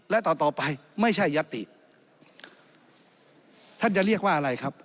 และต่อต่อไปไม่ใช่ยัตติท่านจะเรียกว่าอะไรครับ